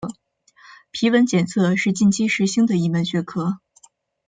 皮纹检测是近期时兴的一门学科。